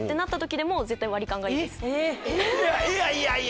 いやいやいや！